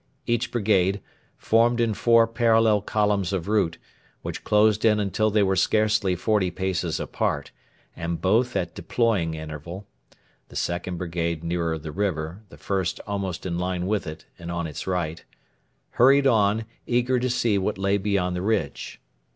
Each brigade, formed in four parallel columns of route, which closed in until they were scarcely forty paces apart, and both at deploying interval the second brigade nearer the river, the first almost in line with it and on its right hurried on, eager to see what lay beyond the ridge.